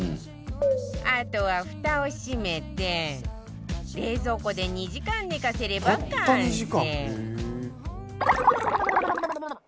あとはフタを閉めて冷蔵庫で２時間寝かせれば完成